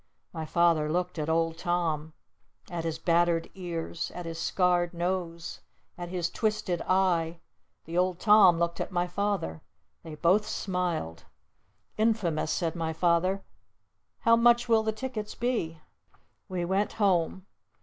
My Father looked at the Old Tom! At his battered ears! At his scarred nose! At his twisted eye! The Old Tom looked at my Father! They both smiled! "Infamous!" said my Father. "How much will the tickets be?" We went home.